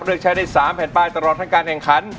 เลือกใช้ได้๓แผ่นป้ายตลอดทั้งการแข่งขัน